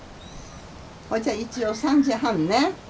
ほいじゃ一応３時半ね。